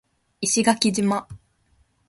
石垣島